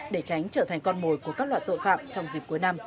để tránh trở thành con mồi của các loại tội phạm trong dịp cuối năm